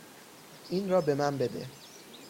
این را به من بده.